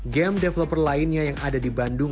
game developer lainnya yang ada di bandung